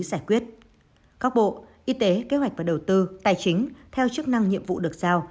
giải quyết các bộ y tế kế hoạch và đầu tư tài chính theo chức năng nhiệm vụ được giao